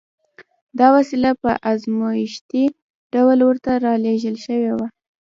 دا وسيله په ازمايښتي ډول ورته را لېږل شوې وه.